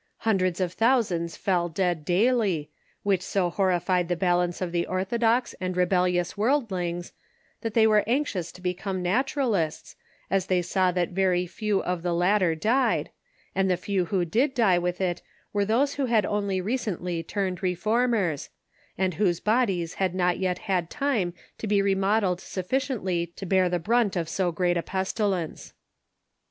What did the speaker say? Hun dreds of thousands fell dead daily, which so horrified the balance of the orthodox and rebellious worldlings that they were anxious to become Naturalists, as they saw that very few of the latter died, and the few who did die with it were those who had only recently turned reformers, and whose bodies had not yet had time to be remodelled sufficiently to bear the brunt of so great a pestilence.